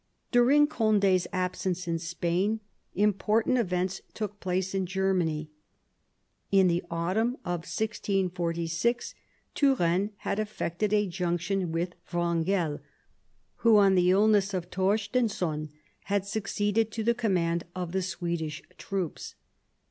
During Condi's absence in Spain important events took place in Germany. In the autumn of 1646 Turenne had eflfected a junction with Wrangel, who, on the illness of Torstenson, had succeeded to the command of the Swedish troops.